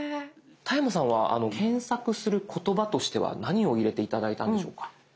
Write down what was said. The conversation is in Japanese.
田山さんは検索する言葉としては何を入れて頂いたんでしょうか？